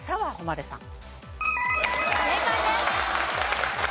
正解です！